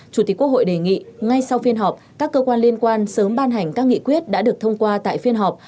chủ tịch quốc hội đề nghị ngay sau phiên họp các cơ quan liên quan sớm ban hành các nghị quyết đã được thông qua tại phiên họp